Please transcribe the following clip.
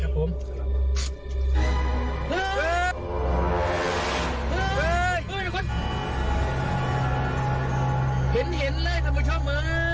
เห็นเลยครับผม